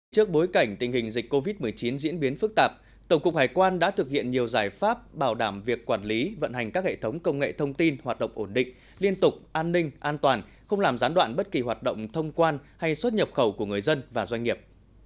trước bối cảnh tình hình dịch covid một mươi chín diễn biến phức tạp tổng cục hải quan đã thực hiện nhiều giải pháp bảo đảm việc quản lý vận hành các hệ thống công nghệ thông tin hoạt động ổn định liên tục an ninh an toàn không làm gián đoạn bất kỳ hoạt động thông quan hay xuất nhập khẩu của người dân và doanh nghiệp